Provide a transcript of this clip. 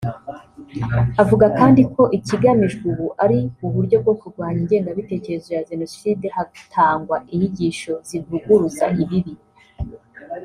Avuga kandi ko ikigamijwe ubu ari uburyo bwo kurwanya ingengabitekerezo ya jenoside hatangwa inyigisho zivuguruza ibibi